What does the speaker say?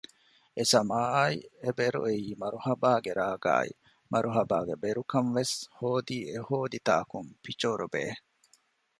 އެސަމާއާއި އެބެރު އެއީ މަރުހަބާގެ ރާގާއި މަރުހަބާގެ ބެރުކަން ވެސް ހޯދީ އެހޯދި ތާކުން ޕިޗޯރުބޭ